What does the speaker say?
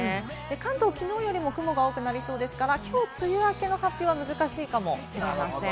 関東はきのうより雲が多くなりそうですから、きょう梅雨明けの発表は難しいかもしれませんね。